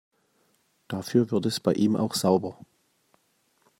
Dafür wird es bei ihm auch sauber.